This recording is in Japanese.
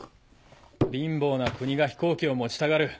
貧乏な国が飛行機を持ちたがる。